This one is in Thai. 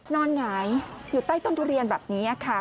หงายอยู่ใต้ต้นทุเรียนแบบนี้ค่ะ